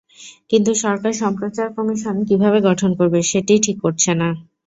কিন্তু সরকার সম্প্রচার কমিশন কীভাবে গঠন করবে, সেটিই ঠিক করছে না।